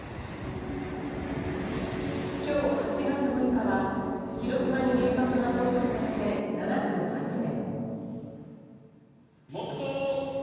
今日８月６日は、広島に原爆が投下されて７８年。